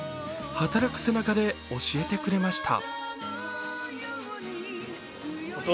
働く姿で教えてくれました。